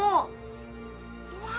うわ！